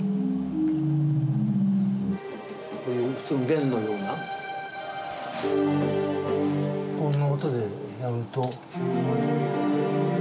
こういういくつも弦のようなこんな音でやると。